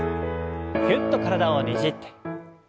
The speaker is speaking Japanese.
ぎゅっと体をねじって。